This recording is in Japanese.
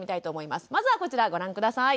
まずはこちらご覧下さい。